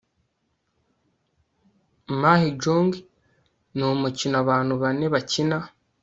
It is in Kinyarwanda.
mahjong ni umukino abantu bane bakina